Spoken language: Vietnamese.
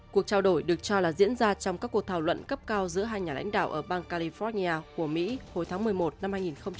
cuộc trao đổi được cho là diễn ra trong các cuộc thảo luận cấp cao giữa hai nhà lãnh đạo ở bang california của mỹ hồi tháng một mươi một năm hai nghìn một mươi tám